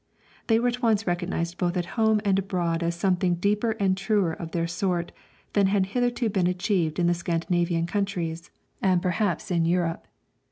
They were at once recognized both at home and abroad as something deeper and truer of their sort than had hitherto been achieved in the Scandinavian countries, and perhaps in Europe.